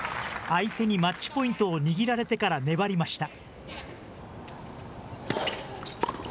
相手にマッチポイントを握られてから粘りました。